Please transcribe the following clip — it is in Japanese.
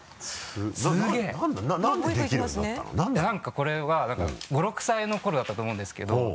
何かこれはだから５６歳の頃だったと思うんですけど。